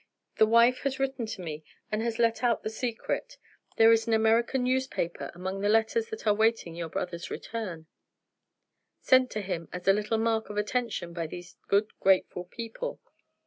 The wife has written to me, and has let out the secret. There is an American newspaper, among the letters that are waiting your brother's return, sent to him as a little mark of attention by these good grateful people."